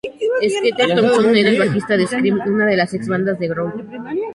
Skeeter Thompson era el bajista de Scream una de las ex bandas de Grohl.